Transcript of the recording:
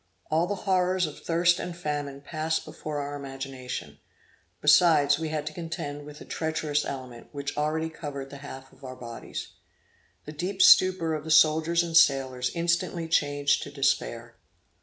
All the horrors of thirst and famine passed before our imagination; besides, we had to contend with a treacherous element, which already covered the half of our bodies. The deep stupor of the soldiers and sailors instantly changed to despair.